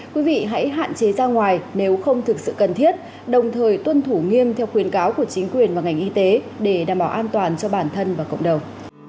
quý vị hãy hạn chế ra ngoài nếu không thực sự cần thiết đồng thời tuân thủ nghiêm theo khuyến cáo của chính quyền và ngành y tế để đảm bảo an toàn cho bản thân và cộng đồng